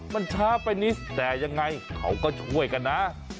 มันช้าไปนิดแต่ยังไงเขาก็ช่วยกันนะ